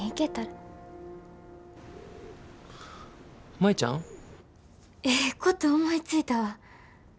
舞ちゃん？ええこと思いついたわ。